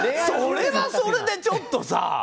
それはそれでちょっとさあ！